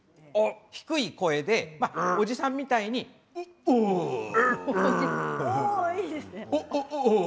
低い声でおじさんみたいに「オォオー」。